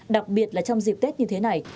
đặc biệt là trong dịp tết như thế này